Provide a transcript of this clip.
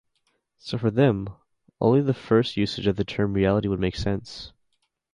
So for them only the first usage of the term reality would make sense.